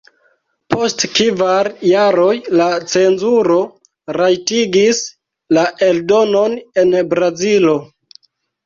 Post kvar jaroj la cenzuro rajtigis la eldonon en Brazilo.